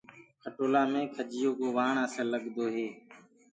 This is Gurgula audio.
کٽولآ مي وآڻ کجيو ڪو اسل لگدو هي۔